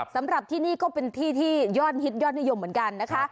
สำหรับที่นี่ก็เป็นที่ที่ยอดฮิตยอดนิยมเหมือนกันนะคะ